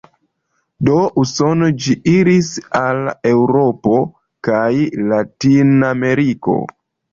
De Usono ĝi iris al Eŭropo kaj Latinameriko.